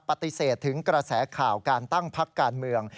ปฏิเสธถึงกระแสข่าวการตั้งพักการเมือง